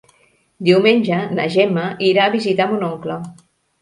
Diumenge na Gemma irà a visitar mon oncle.